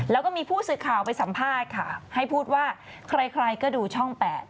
แล้วก็มีผู้สื่อข่าวไปสัมภาษณ์ค่ะให้พูดว่าใครก็ดูช่อง๘